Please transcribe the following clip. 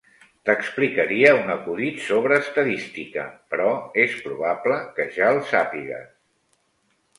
T’explicaria un acudit sobre estadística, però és probable que ja el sàpigues.